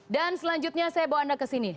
dan selanjutnya saya bawa anda ke sini